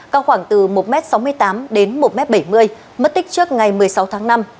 cao khoảng từ một m sáu mươi tám đến một m bảy mươi mất tích trước ngày một mươi sáu tháng năm